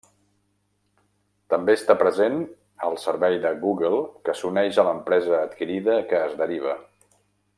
També està present el servei de Google que s'uneix a l'empresa adquirida que es deriva.